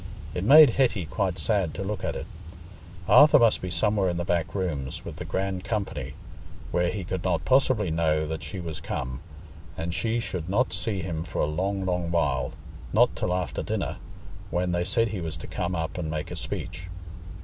It made Hetty quite sad to look at it: Arthur must be somewhere in the back rooms, with the grand company, where he could not possibly know that she was come, and she should not see him for a long, long while—not till after dinner, when they said he was to come up and make a speech.